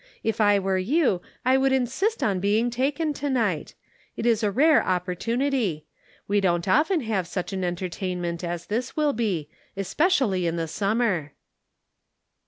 If I were you I would insist on being taken to night. It is a rare opportunity. We don't often have such an entertainment as this will be; es pecially in the summer."